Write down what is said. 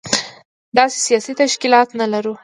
داسې سياسي تشکيلات نه لرو.